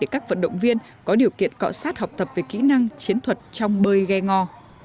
các vận động viên có điều kiện cọ sát học tập về kỹ năng chiến thuật trong bơi ghe ngò